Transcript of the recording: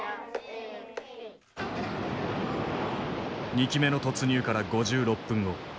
２機目の突入から５６分後